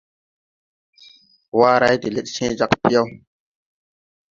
Waray de lɛd cẽẽ jag piyɛw.